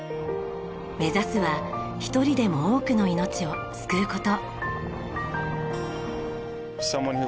目指すは一人でも多くの命を救う事。